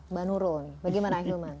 ibu nurul ini bagaimana ilman